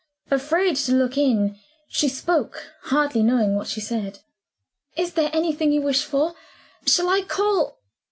Afraid to look in, she spoke, hardly knowing what she said. "Is there anything you wish for? Shall I call